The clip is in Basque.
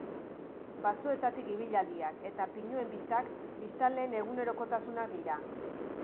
Basoetatik ibilaldiak eta pinuen bistak biztanleen egunerokotasunak dira.